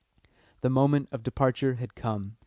The moment of departure had come.